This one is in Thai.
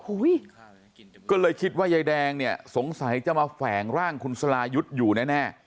ก็เลยคิดว่ายายแดงเนี่ยสงสัยจะมาแฝงร่างคุณสรายุทธ์อยู่แน่แน่